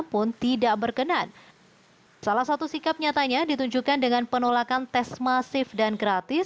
pun tidak berkenan salah satu sikap nyatanya ditunjukkan dengan penolakan tes masif dan gratis